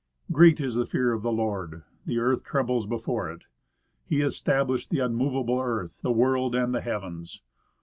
Great is the fear of the Lord; the earth trembles before it; He established the unmovable earth, the world and the heavens.